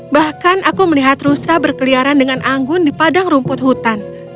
bahkan aku melihat rusa berkeliaran dengan anggun di padang rumput hutan